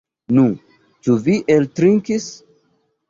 Nu, ĉu vi eltrinkis?